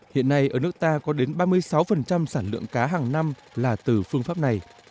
hiện nay ở nước ta có đến ba mươi sáu sản lượng cá hàng năm là từ phương pháp này